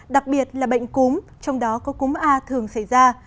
đặc biệt là bệnh cúm trong đó có cúm a thường xảy ra